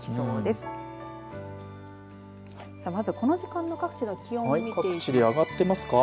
まず、この時間の各地の気温を見ていきます。